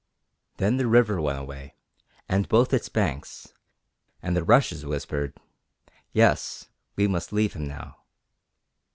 Then the river went away, and both its banks; and the rushes whispered, 'Yes, we must leave him now.'